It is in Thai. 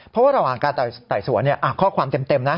เพราะว่าระหว่างการไต่สวนข้อความเต็มนะ